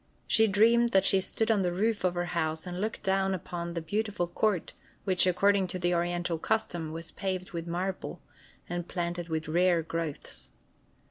She dreamed that she stood on the roof of her house and looked down upon the beautiful court, which, according to the Oriental custom, was paved with marble, and planted with rare growths.